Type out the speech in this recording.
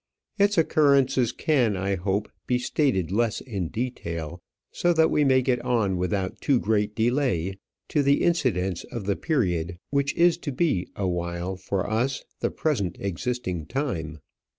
Its occurrences can, I hope, be stated less in detail, so that we may get on without too great delay to the incidents of the period which is to be awhile for us the present existing time.